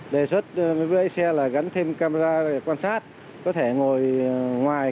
đề xuất với xe là gắn thêm camera để quan sát có thể ngồi ngoài